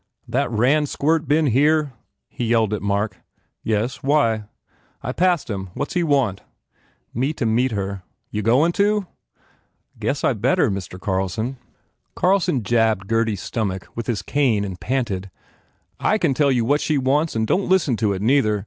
That Rand squirt been here?" he yelled at Mark. "Yes. Why?" "I passed him. What s he want?" "Me to meet her." "Yougoin to?" "Guess I better, Mr. Carlson." Carlson jabbed Gurdy s stomach with his cane and panted, "I can tell you what she wants and don t you listen to it, neither.